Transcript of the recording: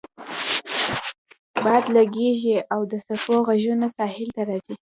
باد لګیږي او د څپو غږونه ساحل ته راځي